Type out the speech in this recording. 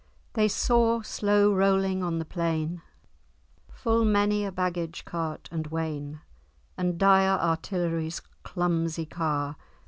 They saw, slow rolling on the plain, Full many a baggage cart and wain, And dire artillery's clumsy car.